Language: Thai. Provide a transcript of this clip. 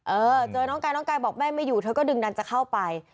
เออเจอน้องกายน้องกายบอกแม่ไม่อยู่เธอก็ดึงดันจะเข้าไป